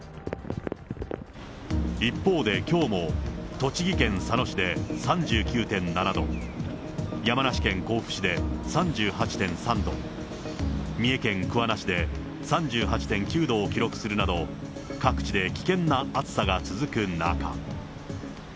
一方で、きょうも栃木県佐野市で３９．７度、山梨県甲府市で３８．３度、三重県桑名市で３８．９度を記録するなど、各地で危険な暑さが続く中。